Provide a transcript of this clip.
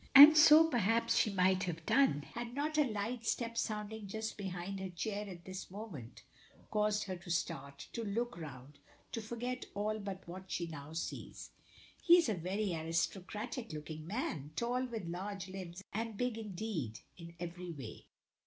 And so perhaps she might have done, had not a light step sounding just behind her chair at this moment caused her to start to look round to forget all but what she now sees. He is a very aristocratic looking man, tall, with large limbs, and big indeed, in every way.